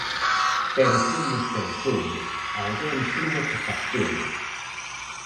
Pero somos quen somos, alguén tiña que facelo.